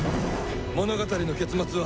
物語の結末は。